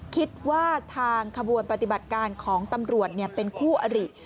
คิดว่าทางขบวนปฏิบัติการของตำรวจเป็นคู่อริ